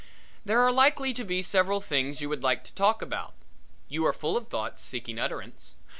There are likely to be several things you would like to talk about. You are full of thoughts seeking utterance.